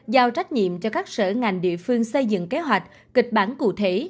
giao trách nhiệm cho các sở ngành địa phương xây dựng kế hoạch kịch bản cụ thể